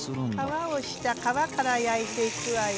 皮を下皮から焼いていくわよ。